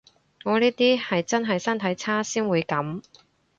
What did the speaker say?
我呢啲係真係身體差先會噉